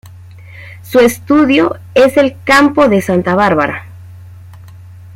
Su estadio es el Campo de Santa Bárbara.